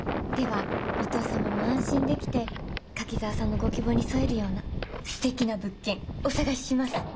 ではお父様も安心できて柿沢さんのご希望に添えるようなすてきな物件お探しします。